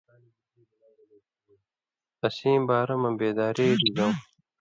اسیں بارہ مہ بېداری رِزؤں